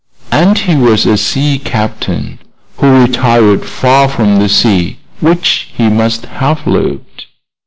"And he was a sea captain, who retired far from the sea, which he must have loved."